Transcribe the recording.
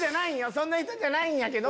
そんな人じゃないんやけど。